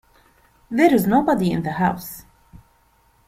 There's nobody in the house.